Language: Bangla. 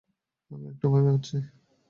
আমি একটা উপায় করছি।